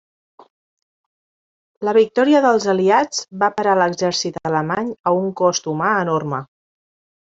La victòria dels aliats va parar l'exèrcit alemany, a un cost humà enorme.